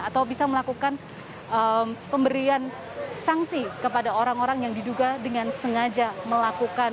atau bisa melakukan pemberian sanksi kepada orang orang yang diduga dengan sengaja melakukan